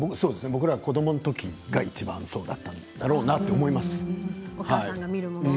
僕ら子どものときがいちばんそうだったんだろうなと思います。